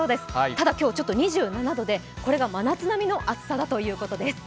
ただ今日、ちょっと２７度で真夏並みの暑さだということです。